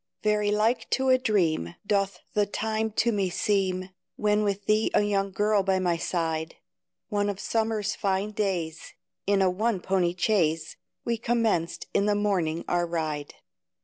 Very like to a dream, Doth the time to me seem, When with thee a young girl by my side, One of summer's fine days, In a one pony chaise, We commenced in the morning our ride.